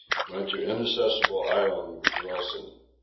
Went to Inaccessible Island with Wilson.